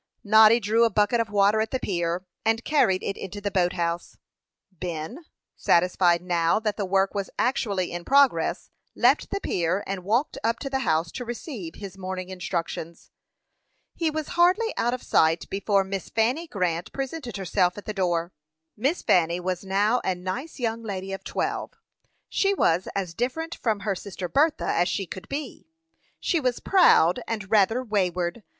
Noddy drew a bucket of water at the pier, and carried it into the boat house. Ben, satisfied now that the work was actually in progress, left the pier, and walked up to the house to receive his morning instructions. He was hardly out of sight before Miss Fanny Grant presented herself at the door. Miss Fanny was now a nice young lady of twelve. She was as different from her sister Bertha as she could be. She was proud, and rather wayward.